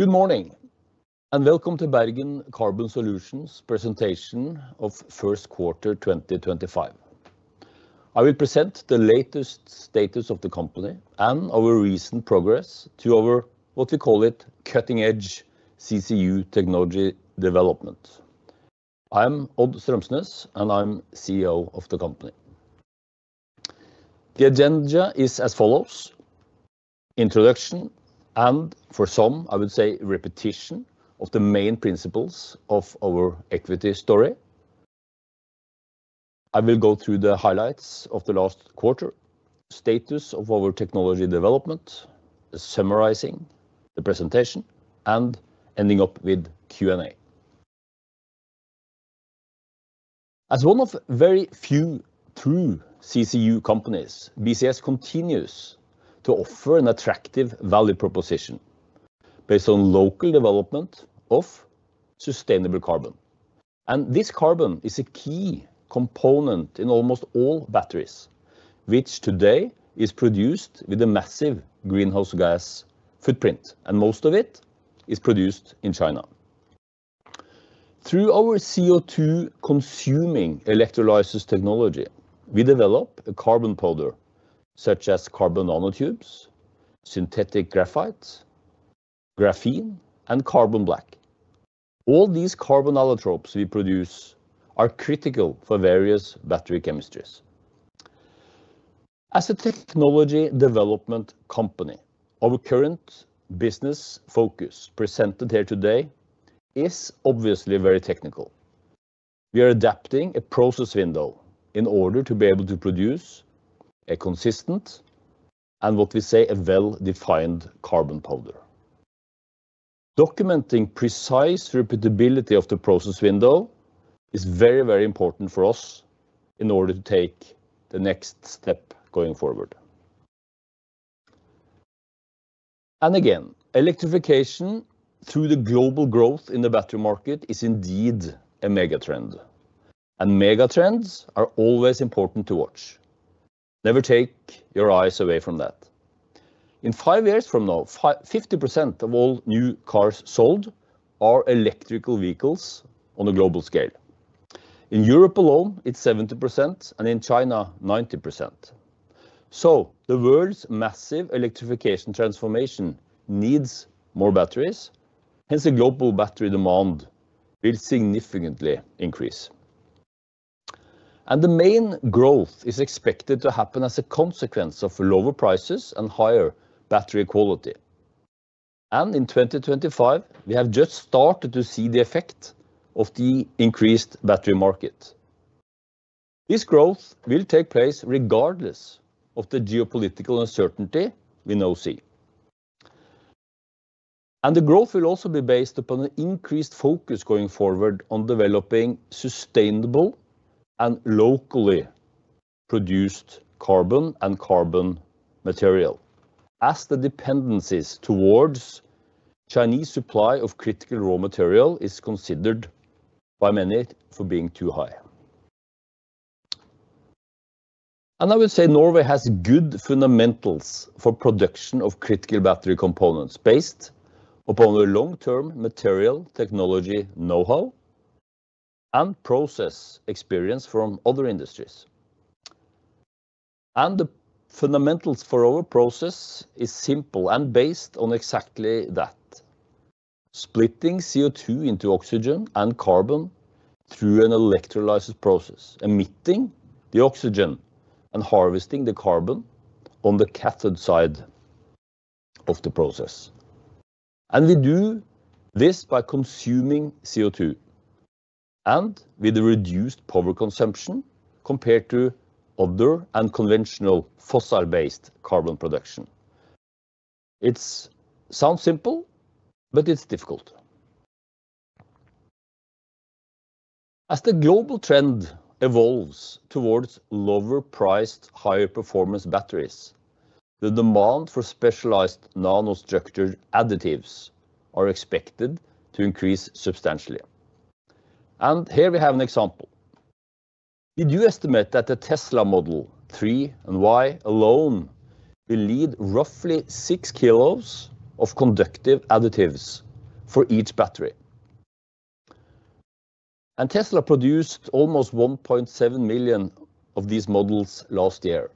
Good morning, and welcome to Bergen Carbon Solutions' presentation of First Quarter 2025. I will present the latest status of the company and our recent progress to our, what we call it, cutting-edge CCU technology development. I'm Odd Strømsnes, and I'm CEO of the company. The agenda is as follows: introduction, and for some, I would say, repetition of the main principles of our equity story. I will go through the highlights of the last quarter, status of our technology development, summarizing the presentation, and ending up with Q&A. As one of very few true CCU companies, BCS continues to offer an attractive value proposition based on local development of sustainable carbon. This carbon is a key component in almost all batteries, which today is produced with a massive greenhouse gas footprint, and most of it is produced in China. Through our CO2-consuming electrolysis technology, we develop a carbon powder such as carbon nanotubes, synthetic graphite, graphene, and carbon black. All these carbon allotropes we produce are critical for various battery chemistries. As a technology development company, our current business focus presented here today is obviously very technical. We are adapting a process window in order to be able to produce a consistent and, what we say, a well-defined carbon powder. Documenting precise repeatability of the process window is very, very important for us in order to take the next step going forward. Electrification through the global growth in the battery market is indeed a mega trend, and mega trends are always important to watch. Never take your eyes away from that. In five years from now, 50% of all new cars sold are electrical vehicles on a global scale. In Europe alone, it's 70%, and in China, 90%. The world's massive electrification transformation needs more batteries; hence, the global battery demand will significantly increase. The main growth is expected to happen as a consequence of lower prices and higher battery quality. In 2025, we have just started to see the effect of the increased battery market. This growth will take place regardless of the geopolitical uncertainty we now see. The growth will also be based upon an increased focus going forward on developing sustainable and locally produced carbon and carbon material, as the dependencies towards Chinese supply of critical raw material are considered by many for being too high. I would say Norway has good fundamentals for production of critical battery components based upon a long-term material technology know-how and process experience from other industries. The fundamentals for our process are simple and based on exactly that: splitting CO2 into oxygen and carbon through an electrolysis process, emitting the oxygen and harvesting the carbon on the cathode side of the process. We do this by consuming CO2 and with a reduced power consumption compared to other unconventional fossil-based carbon production. It sounds simple, but it's difficult. As the global trend evolves towards lower-priced, higher-performance batteries, the demand for specialized nanostructured additives is expected to increase substantially. Here we have an example. We do estimate that the Tesla Model 3 and Y alone will need roughly 6 kilos of conductive additives for each battery. Tesla produced almost 1.7 million of these models last year,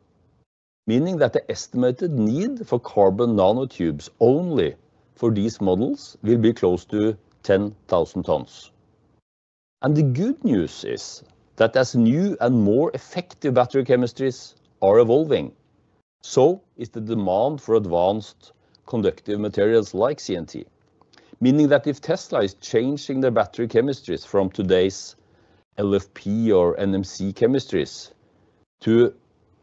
meaning that the estimated need for carbon nanotubes only for these models will be close to 10,000 tons. The good news is that as new and more effective battery chemistries are evolving, so is the demand for advanced conductive materials like CNT, meaning that if Tesla is changing their battery chemistries from today's LFP or NMC chemistries to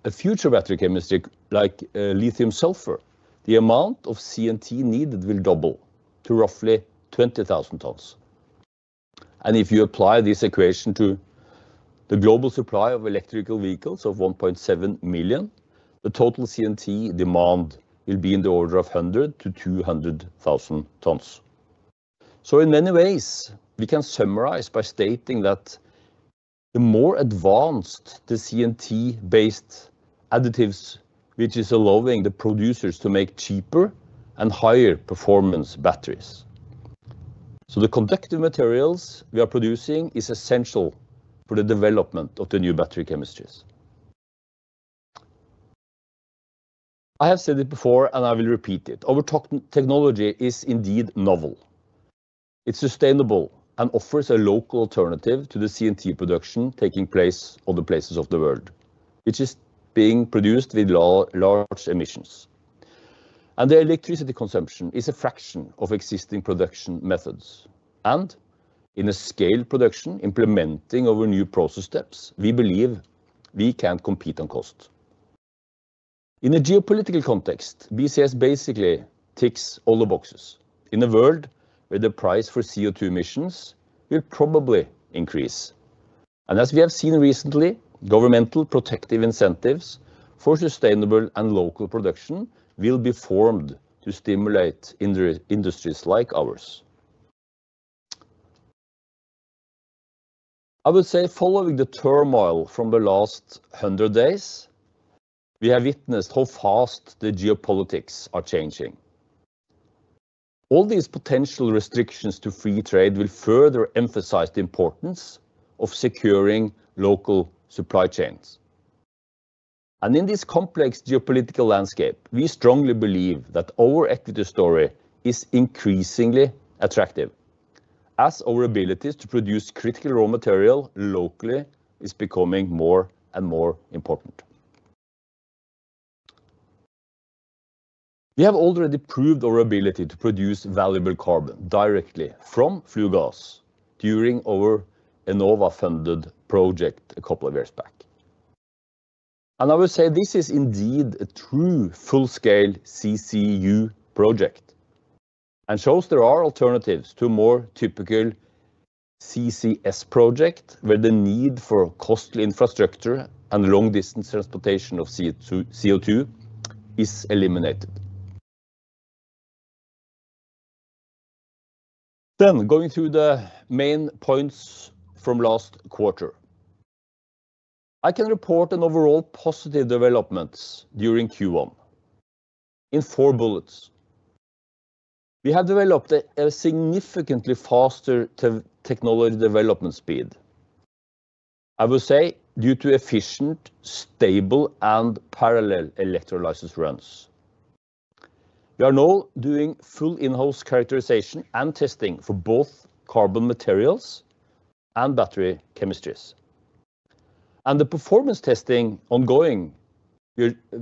a future battery chemistry like lithium-sulfur, the amount of CNT needed will double to roughly 20,000 tons. If you apply this equation to the global supply of electrical vehicles of 1.7 million, the total CNT demand will be in the order of 100,000-200,000 tons. In many ways, we can summarize by stating that the more advanced the CNT-based additives, which is allowing the producers to make cheaper and higher-performance batteries. The conductive materials we are producing are essential for the development of the new battery chemistries. I have said it before, and I will repeat it: our technology is indeed novel. is sustainable and offers a local alternative to the CNT production taking place in other places of the world, which is being produced with large emissions. The electricity consumption is a fraction of existing production methods. In a scaled production, implementing our new process steps, we believe we can compete on cost. In a geopolitical context, BCS basically ticks all the boxes. In a world where the price for CO2 emissions will probably increase, and as we have seen recently, governmental protective incentives for sustainable and local production will be formed to stimulate industries like ours. I would say, following the turmoil from the last 100 days, we have witnessed how fast the geopolitics are changing. All these potential restrictions to free trade will further emphasize the importance of securing local supply chains. In this complex geopolitical landscape, we strongly believe that our equity story is increasingly attractive, as our ability to produce critical raw material locally is becoming more and more important. We have already proved our ability to produce valuable carbon directly from flue gas during our ENOVA-funded project a couple of years back. I would say this is indeed a true full-scale CCU project and shows there are alternatives to a more typical CCS project where the need for costly infrastructure and long-distance transportation of CO2 is eliminated. Going through the main points from last quarter, I can report an overall positive development during Q1 in four bullets. We have developed a significantly faster technology development speed, I would say, due to efficient, stable, and parallel electrolysis runs. We are now doing full in-house characterization and testing for both carbon materials and battery chemistries. The performance testing ongoing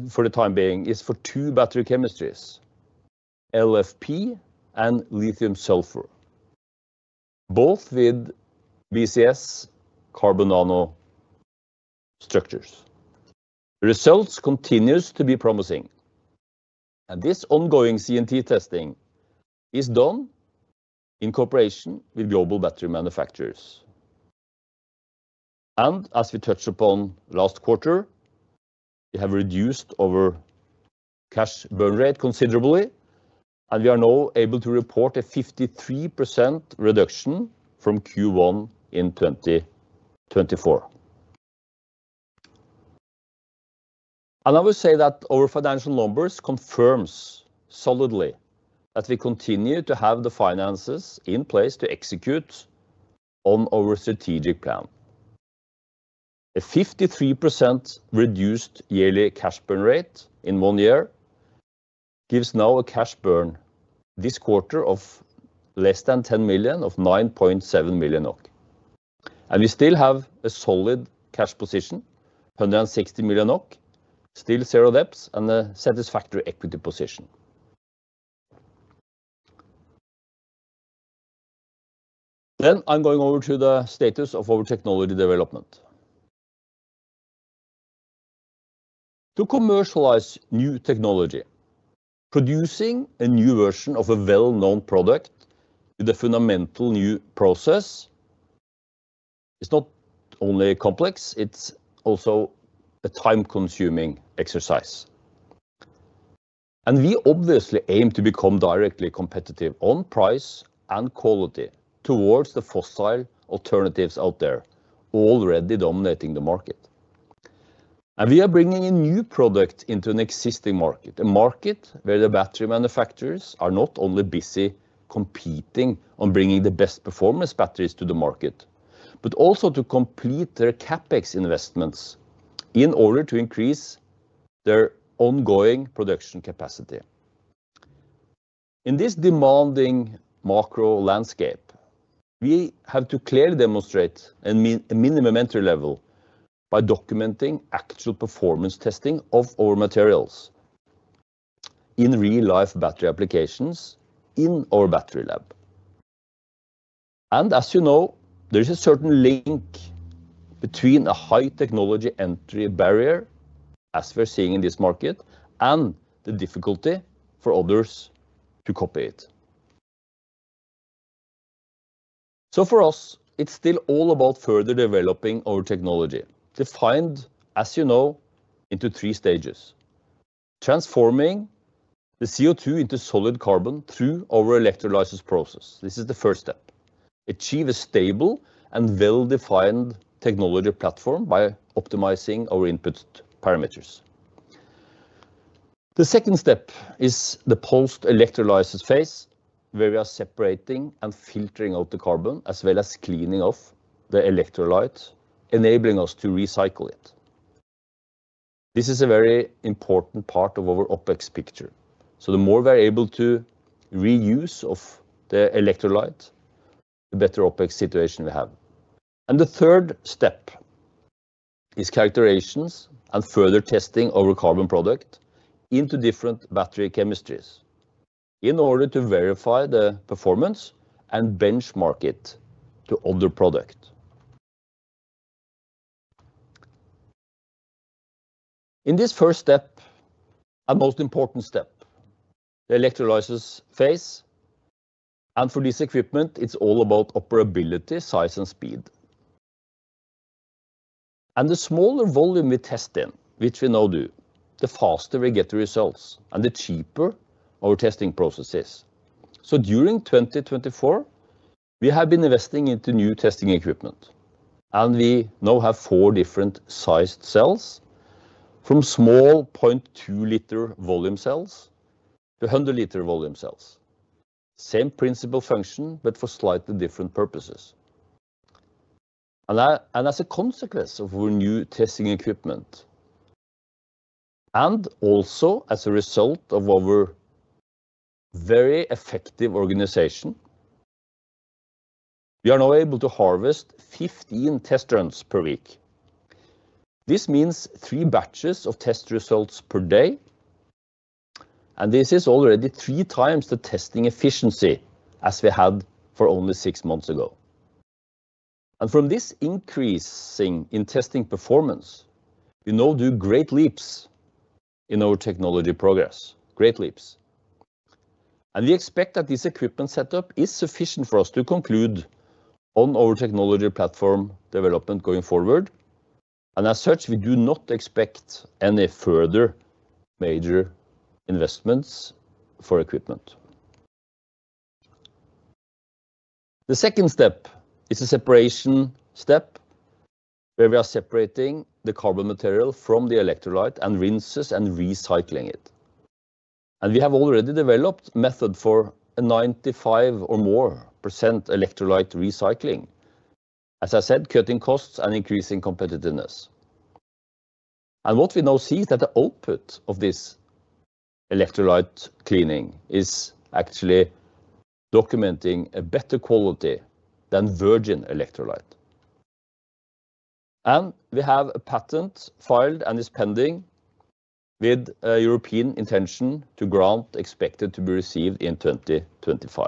for the time being is for two battery chemistries, LFP and lithium-sulfur, both with BCS carbon nanostructures. The results continue to be promising, and this ongoing CNT testing is done in cooperation with global battery manufacturers. As we touched upon last quarter, we have reduced our cash burn rate considerably, and we are now able to report a 53% reduction from Q1 in 2024. I would say that our financial numbers confirm solidly that we continue to have the finances in place to execute on our strategic plan. A 53% reduced yearly cash burn rate in one year gives now a cash burn this quarter of less than 10 million, of 9.7 million. We still have a solid cash position, 160 million, still zero debts, and a satisfactory equity position. I'm going over to the status of our technology development. To commercialize new technology, producing a new version of a well-known product with a fundamental new process is not only complex, it's also a time-consuming exercise. We obviously aim to become directly competitive on price and quality towards the fossil alternatives out there, already dominating the market. We are bringing a new product into an existing market, a market where the battery manufacturers are not only busy competing on bringing the best-performance batteries to the market, but also to complete their CapEx investments in order to increase their ongoing production capacity. In this demanding macro landscape, we have to clearly demonstrate a minimum entry level by documenting actual performance testing of our materials in real-life battery applications in our battery lab. As you know, there is a certain link between a high technology entry barrier, as we're seeing in this market, and the difficulty for others to copy it. For us, it's still all about further developing our technology. Defined, as you know, into three stages: transforming the CO2 into solid carbon through our electrolysis process. This is the first step: achieve a stable and well-defined technology platform by optimizing our input parameters. The second step is the post-electrolysis phase, where we are separating and filtering out the carbon as well as cleaning off the electrolyte, enabling us to recycle it. This is a very important part of our OpEx picture. The more we are able to reuse the electrolyte, the better OpEx situation we have. The third step is characterizations and further testing of our carbon product into different battery chemistries in order to verify the performance and benchmark it to other products. In this first step, and most important step, the electrolysis phase. For this equipment, it is all about operability, size, and speed. The smaller volume we test in, which we now do, the faster we get the results and the cheaper our testing process is. During 2024, we have been investing into new testing equipment, and we now have four different sized cells, from small 0.2-liter volume cells to 100-liter volume cells. Same principle function, but for slightly different purposes. As a consequence of our new testing equipment, and also as a result of our very effective organization, we are now able to harvest 15 test runs per week. This means three batches of test results per day, and this is already three times the testing efficiency as we had for only six months ago. From this increase in testing performance, we now do great leaps in our technology progress, great leaps. We expect that this equipment setup is sufficient for us to conclude on our technology platform development going forward. As such, we do not expect any further major investments for equipment. The second step is a separation step, where we are separating the carbon material from the electrolyte and rinses and recycling it. We have already developed a method for a 95% or more electrolyte recycling, as I said, cutting costs and increasing competitiveness. What we now see is that the output of this electrolyte cleaning is actually documenting a better quality than virgin electrolyte. We have a patent filed and is pending with a European intention to grant expected to be received in 2025.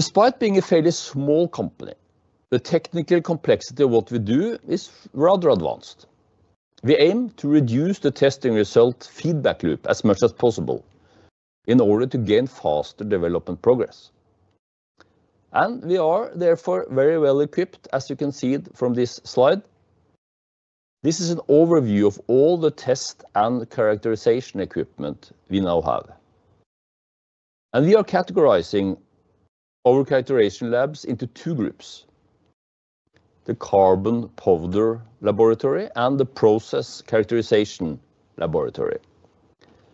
Despite being a fairly small company, the technical complexity of what we do is rather advanced. We aim to reduce the testing result feedback loop as much as possible in order to gain faster development progress. We are therefore very well equipped, as you can see from this slide. This is an overview of all the test and characterization equipment we now have. We are categorizing our characterization labs into two groups: the carbon powder laboratory and the process characterization laboratory,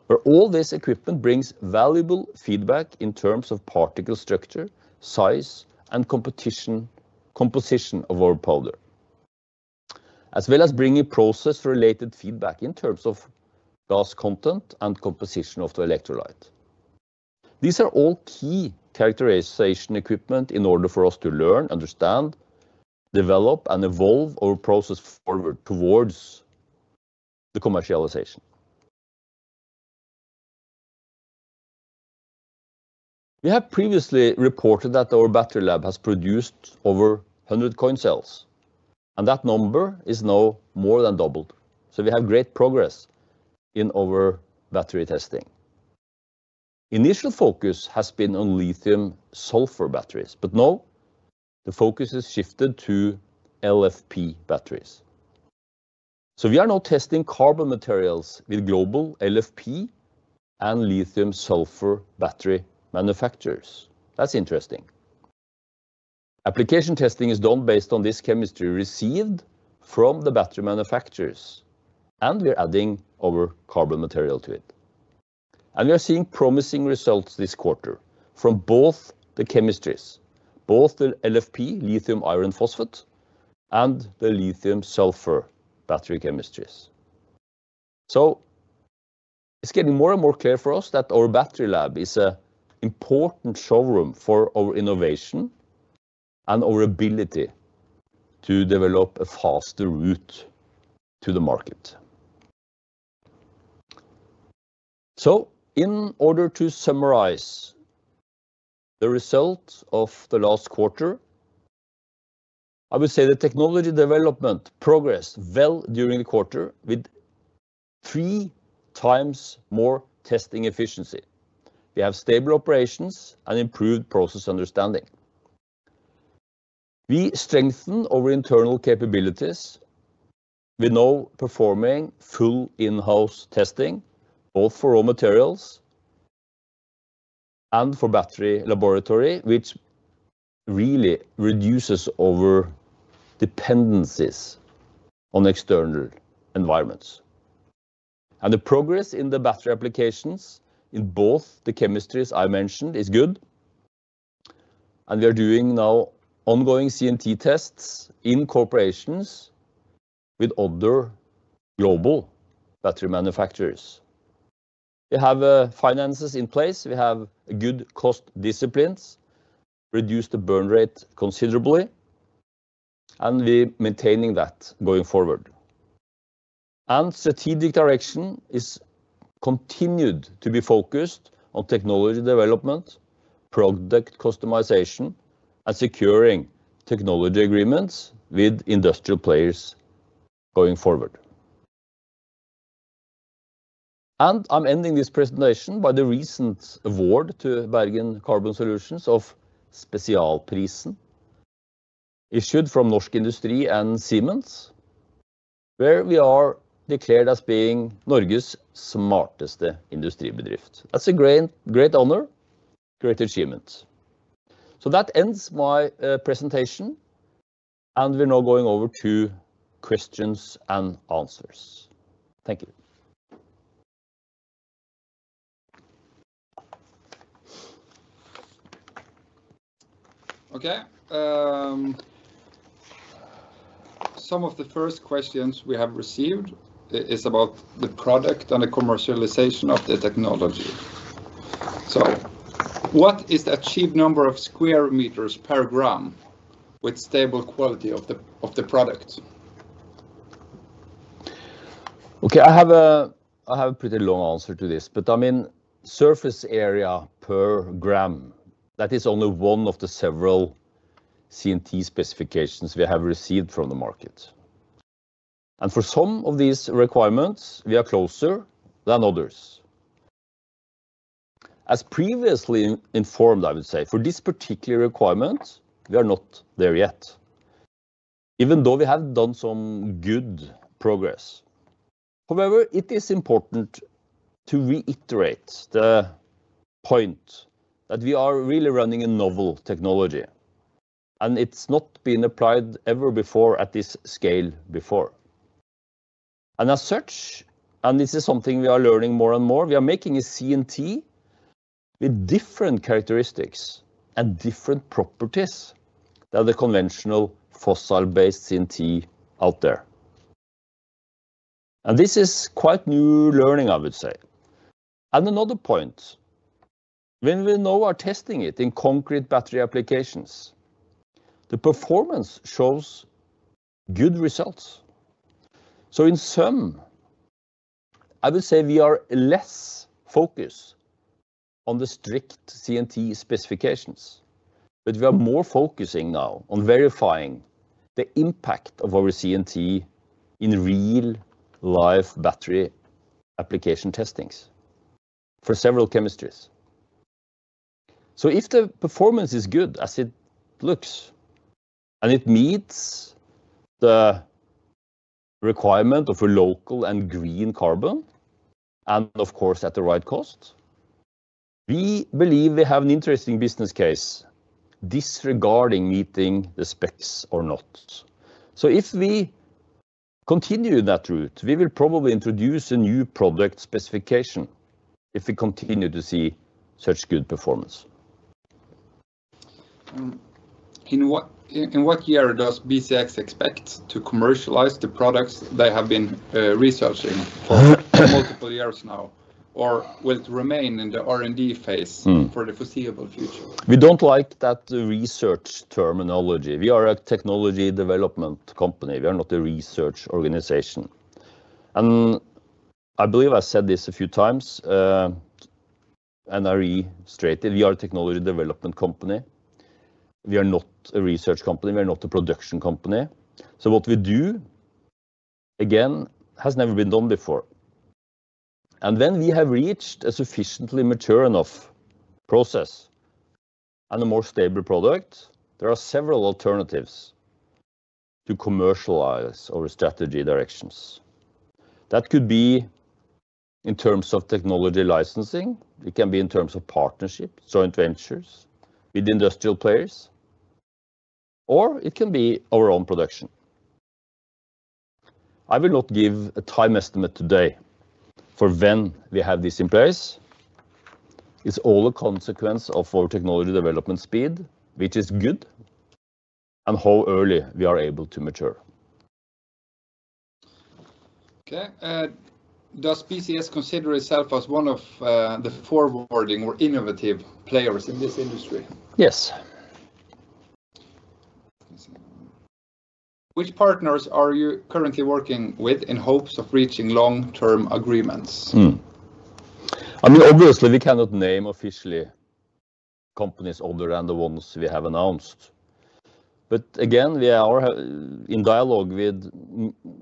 where all this equipment brings valuable feedback in terms of particle structure, size, and composition of our powder, as well as bringing process-related feedback in terms of gas content and composition of the electrolyte. These are all key characterization equipment in order for us to learn, understand, develop, and evolve our process forward towards the commercialization. We have previously reported that our battery lab has produced over 100 coin cells, and that number is now more than doubled. We have great progress in our battery testing. Initial focus has been on lithium-sulfur batteries, but now the focus has shifted to LFP batteries. We are now testing carbon materials with global LFP and lithium-sulfur battery manufacturers. That's interesting. Application testing is done based on this chemistry received from the battery manufacturers, and we're adding our carbon material to it. We are seeing promising results this quarter from both the chemistries, both the LFP lithium iron phosphate and the lithium-sulfur battery chemistries. It is getting more and more clear for us that our battery lab is an important showroom for our innovation and our ability to develop a faster route to the market. In order to summarize the result of the last quarter, I would say the technology development progressed well during the quarter with three times more testing efficiency. We have stable operations and improved process understanding. We strengthen our internal capabilities with now performing full in-house testing, both for raw materials and for battery laboratory, which really reduces our dependencies on external environments. The progress in the battery applications in both the chemistries I mentioned is good. We are doing now ongoing CNT tests in corporations with other global battery manufacturers. We have finances in place. We have good cost disciplines, reduced the burn rate considerably, and we are maintaining that going forward. Strategic direction is continued to be focused on technology development, product customization, and securing technology agreements with industrial players going forward. I am ending this presentation by the recent award to Bergen Carbon Solutions of Spesialprisen, issued from Norsk Industri and Siemens, where we are declared as being Norges smartest industriebedrift. That is a great honor, great achievement. That ends my presentation, and we are now going over to questions and answers. Thank you. Okay. Some of the first questions we have received is about the product and the commercialization of the technology. What is the achieved number of square meters per gram with stable quality of the product? I have a pretty long answer to this, but I mean surface area per gram, that is only one of the several CNT specifications we have received from the market. For some of these requirements, we are closer than others. As previously informed, I would say, for this particular requirement, we are not there yet, even though we have done some good progress. However, it is important to reiterate the point that we are really running a novel technology, and it's not been applied ever before at this scale before. As such, and this is something we are learning more and more, we are making a CNT with different characteristics and different properties than the conventional fossil-based CNT out there. This is quite new learning, I would say. Another point, when we now are testing it in concrete battery applications, the performance shows good results. In sum, I would say we are less focused on the strict CNT specifications, but we are more focusing now on verifying the impact of our CNT in real-life battery application testings for several chemistries. If the performance is good as it looks and it meets the requirement of a local and green carbon, and of course at the right cost, we believe we have an interesting business case disregarding meeting the specs or not. If we continue that route, we will probably introduce a new product specification if we continue to see such good performance. In what year does Bergen Carbon Solutions expect to commercialize the products they have been researching for multiple years now, or will it remain in the R&D phase for the foreseeable future? We do not like that research terminology. We are a technology development company. We are not a research organization. I believe I said this a few times, and I reiterate it, we are a technology development company. We are not a research company. We are not a production company. What we do, again, has never been done before. When we have reached a sufficiently mature enough process and a more stable product, there are several alternatives to commercialize our strategy directions. That could be in terms of technology licensing. It can be in terms of partnerships, joint ventures with industrial players, or it can be our own production. I will not give a time estimate today for when we have this in place. It is all a consequence of our technology development speed, which is good, and how early we are able to mature. Okay. Does BCS consider itself as one of the forwarding or innovative players in this industry? Yes. Which partners are you currently working with in hopes of reaching long-term agreements? I mean, obviously, we cannot name officially companies other than the ones we have announced. But again, we are in dialogue with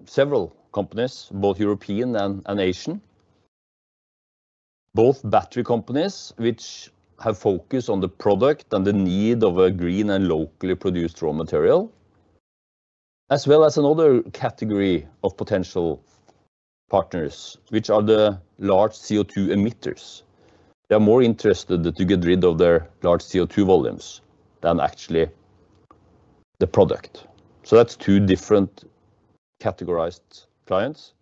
several companies, both European and Asian, both battery companies which have focused on the product and the need of a green and locally produced raw material, as well as another category of potential partners, which are the large CO2 emitters. They are more interested to get rid of their large CO2 volumes than actually the product. That is two different categorized clients.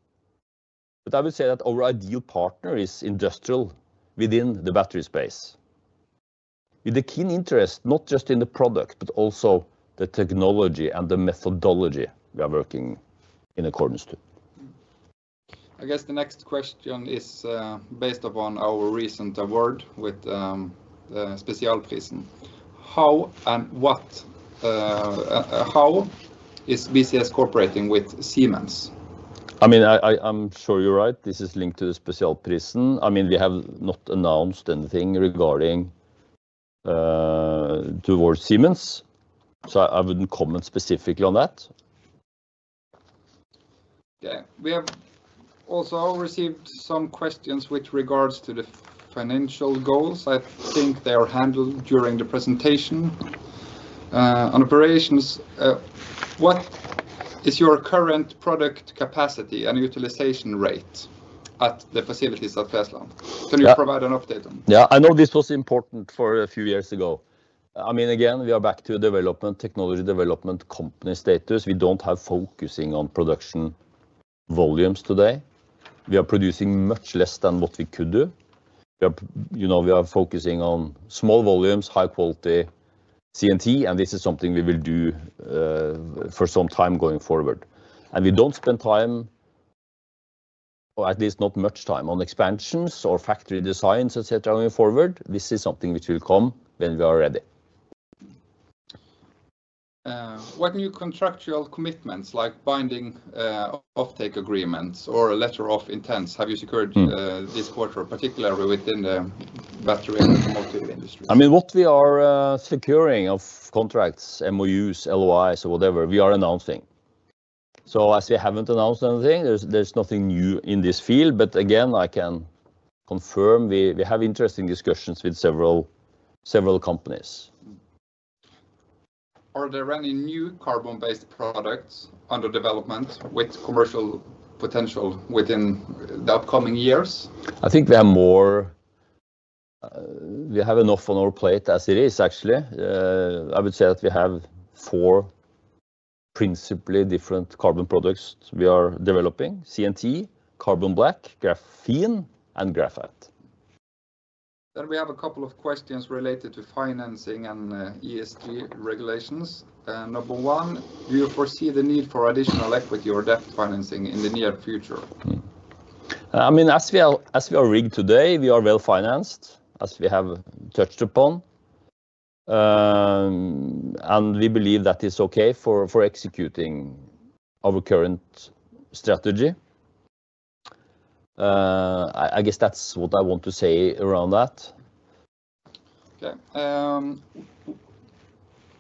I would say that our ideal partner is industrial within the battery space, with a keen interest not just in the product, but also the technology and the methodology we are working in accordance to. I guess the next question is based upon our recent award with the Spesialprisen. How and what is BCS cooperating with Siemens? I mean, I'm sure you're right. This is linked to the Spesialprisen. I mean, we have not announced anything regarding towards Siemens, so I wouldn't comment specifically on that. Okay. We have also received some questions with regards to the financial goals. I think they are handled during the presentation. On operations, what is your current product capacity and utilization rate at the facilities at Festland? Can you provide an update on that? Yeah, I know this was important for a few years ago. I mean, again, we are back to technology development company status. We don't have focusing on production volumes today. We are producing much less than what we could do. We are focusing on small volumes, high-quality CNT, and this is something we will do for some time going forward. We do not spend time, or at least not much time, on expansions or factory designs, etc., going forward. This is something which will come when we are ready. What new contractual commitments, like binding offtake agreements or a letter of intent, have you secured this quarter, particularly within the battery and automotive industry? I mean, what we are securing of contracts, MOUs, LOIs, or whatever, we are announcing. As we have not announced anything, there is nothing new in this field. Again, I can confirm we have interesting discussions with several companies. Are there any new carbon-based products under development with commercial potential within the upcoming years? I think we have enough on our plate as it is, actually. I would say that we have four principally different carbon products we are developing: CNT, carbon black, graphene, and graphite. We have a couple of questions related to financing and ESG regulations. Number one, do you foresee the need for additional equity or debt financing in the near future? I mean, as we are rigged today, we are well-financed, as we have touched upon, and we believe that is okay for executing our current strategy. I guess that's what I want to say around that. Okay.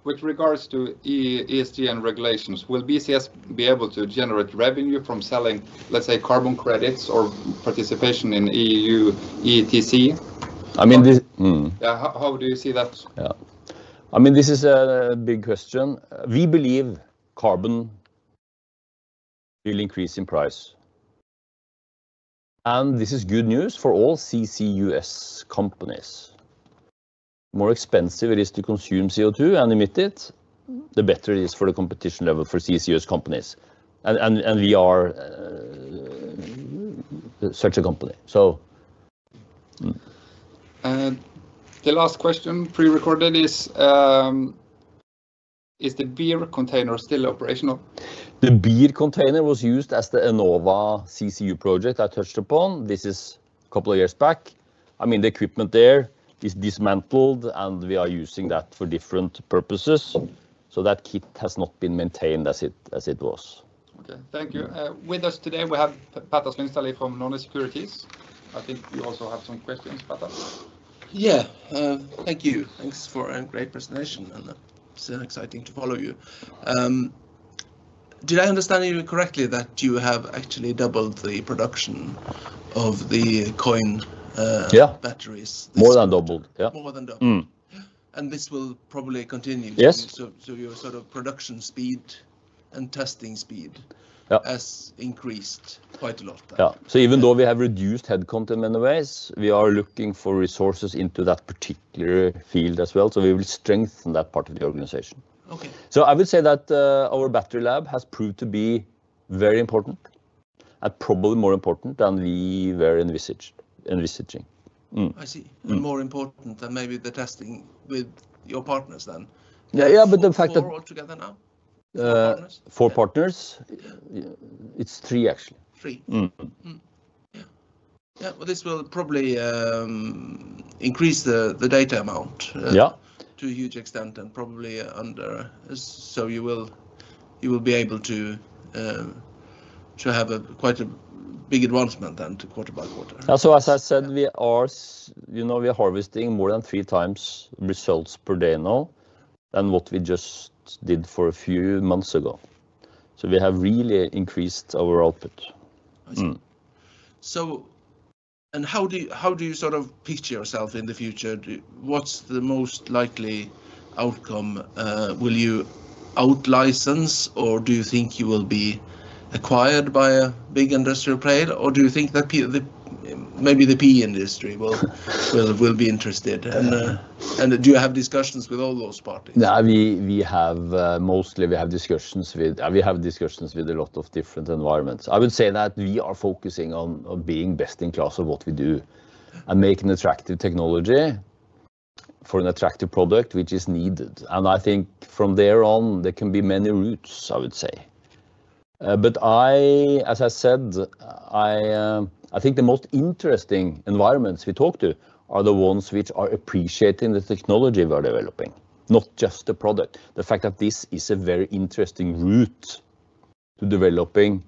With regards to ESG and regulations, will BCS be able to generate revenue from selling, let's say, carbon credits or participation in EU ETC?I mean, this, yeah, how do you see that? Yeah. I mean, this is a big question. We believe carbon will increase in price, and this is good news for all CCUS companies. The more expensive it is to consume CO2 and emit it, the better it is for the competition level for CCUS companies. We are such a company. The last question, pre-recorded, is the beer container still operational? The beer container was used as the Enova CCU project I touched upon. This is a couple of years back. I mean, the equipment there is dismantled, and we are using that for different purposes. That kit has not been maintained as it was. Okay. Thank you. With us today, we have Petter Slyngstadli from Norne Securities. I think you also have some questions, Petter. Yeah. Thank you. Thanks for a great presentation, and it's exciting to follow you. Did I understand you correctly that you have actually doubled the production of the coin batteries? Yeah. More than doubled. Yeah. More than doubled. This will probably continue? Yes. Your sort of production speed and testing speed has increased quite a lot. Yeah. Even though we have reduced headcount in many ways, we are looking for resources into that particular field as well. We will strengthen that part of the organization. I would say that our battery lab has proved to be very important and probably more important than we were envisaging. I see. More important than maybe the testing with your partners then. Yeah, but the fact that— You're all together now? Four partners? Four partners. It's three, actually. Three. Yeah. This will probably increase the data amount to a huge extent and probably under. You will be able to have quite a big advancement then to quarter by quarter. As I said, we are harvesting more than three times results per day now than what we just did for a few months ago. We have really increased our output. I see. How do you sort of picture yourself in the future? What's the most likely outcome? Will you outlicense, or do you think you will be acquired by a big industrial player, or do you think that maybe the PE industry will be interested? Do you have discussions with all those parties? Yeah. Mostly, we have discussions with—we have discussions with a lot of different environments. I would say that we are focusing on being best in class of what we do and making attractive technology for an attractive product which is needed. I think from there on, there can be many routes, I would say. As I said, I think the most interesting environments we talk to are the ones which are appreciating the technology we are developing, not just the product. The fact that this is a very interesting route to developing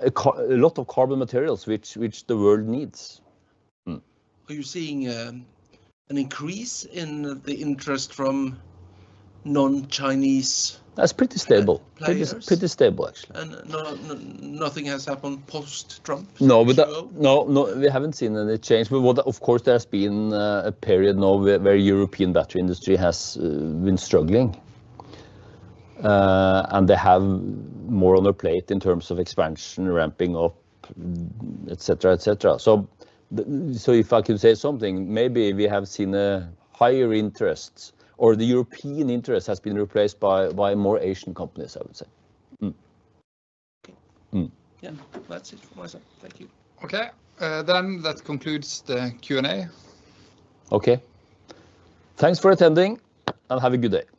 a lot of carbon materials which the world needs. Are you seeing an increase in the interest from non-Chinese? That's pretty stable. Pretty stable, actually. Nothing has happened post-Trump? No. We haven't seen any change. Of course, there has been a period now where the European battery industry has been struggling, and they have more on their plate in terms of expansion, ramping up, etc., etc. If I could say something, maybe we have seen a higher interest, or the European interest has been replaced by more Asian companies, I would say. Okay. Yeah. That's it for my side. Thank you. Okay. That concludes the Q&A. Okay. Thanks for attending, and have a good day.